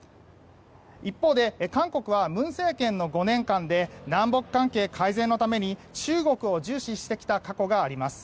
一方で韓国は文政権の５年間で南北関係改善のために中国を重視してきた過去があります。